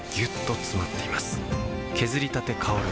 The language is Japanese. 削りたて香る